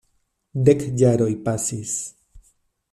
Dek jaroj pasis.